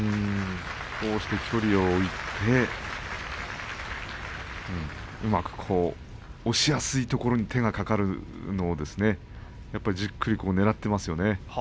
こうして距離を置いてうまく押しやすいところに手が掛かるようじっくりねらっていますよね。